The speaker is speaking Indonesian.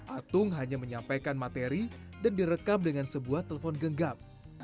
atung hanya menyampaikan materi dan direkam dengan sebuah telepon genggam